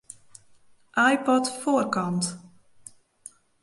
iPod foarkant.